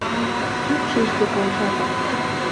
ок шиж, докан, жапым.